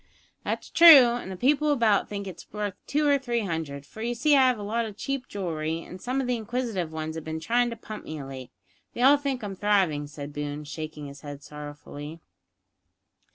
"That's true, an' the people about think it's worth two or three hundred, for you see I have a lot o' cheap jewellery, and some of the inquisitive ones have been trying to pump me of late. They all think I'm thriving," said Boone, shaking his head sorrowfully.